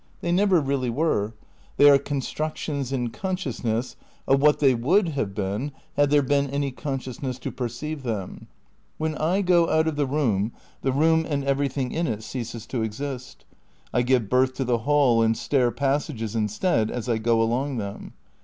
They never really were ; they are constructions in conscious ness of what they would have been had there been any consciousness to perceive them. When I go out of the room, the room and everything in it ceases to exist; I give birth to the hall and stair passages instead as I go along them.